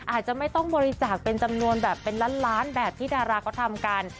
อาจจะไม่ต้องบริจาคเป็นจำนวนแบบเป็นล้านล้านแบบที่ดาราเขาทำกัน